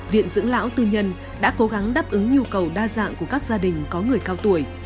viện dưỡng lão tư nhân đã cố gắng đáp ứng nhu cầu đa dạng của các gia đình có người cao tuổi